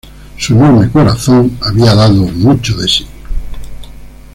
Su enorme corazón había dado mucho de si.